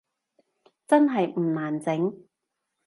真係唔難整？